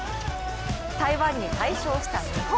台湾に大勝した日本。